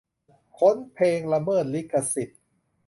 ค้นเพลงละเมิดลิขสิทธิ์